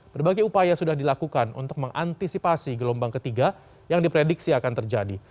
berbagai upaya sudah dilakukan untuk mengantisipasi gelombang ketiga yang diprediksi akan terjadi